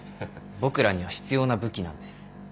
僕らには必要な武器なんです。